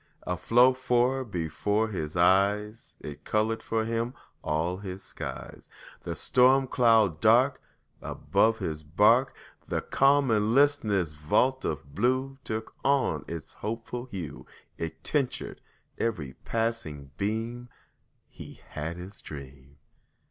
Afloat fore'er before his eyes, It colored for him all his skies: The storm cloud dark Above his bark, The calm and listless vault of blue Took on its hopeful hue, It tinctured every passing beam He had his dream.